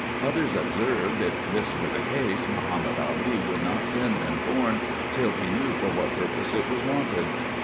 Others observed, if this were the case, Mahomet Ali would not send them corn, till he knew for what purpose it was wanted.